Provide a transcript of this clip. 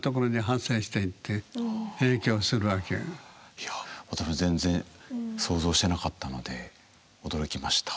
いや私全然想像してなかったので驚きました。